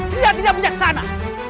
dia tidak bijaksana